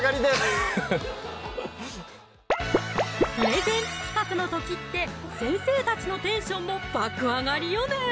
フフフップレゼンツ企画の時って先生たちのテンションも爆上がりよね！